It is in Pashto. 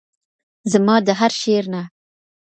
زما د هر شعر نه